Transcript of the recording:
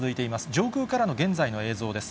上空からの現在の映像です。